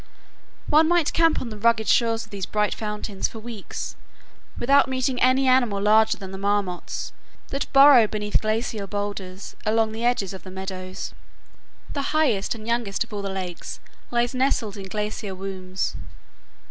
One might camp on the rugged shores of these bright fountains for weeks, without meeting any animal larger than the marmots that burrow beneath glacier boulders along the edges of the meadows. The highest and youngest of all the lakes lie nestled in glacier wombs.